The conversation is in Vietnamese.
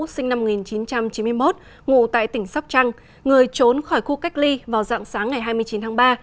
sinh năm một nghìn chín trăm chín mươi một ngủ tại tỉnh sóc trăng người trốn khỏi khu cách ly vào dạng sáng ngày hai mươi chín tháng ba